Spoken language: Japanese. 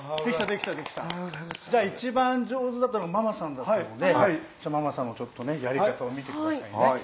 じゃあ一番上手だったのはママさんだったのでママさんのちょっとねやり方を見て下さいね。